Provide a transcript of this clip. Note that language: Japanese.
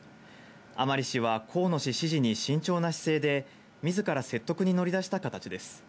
甘利氏は河野氏支持に慎重な姿勢で、みずから説得に乗り出した形です。